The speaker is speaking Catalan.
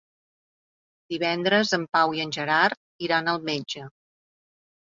Divendres en Pau i en Gerard iran al metge.